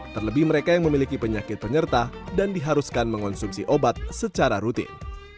terlebih mereka yang memiliki penyakit penyerta dan diharuskan mengonsumsi obat secara rutin